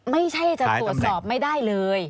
ไม่ใช่จะตรวจสอบไม่ได้เลย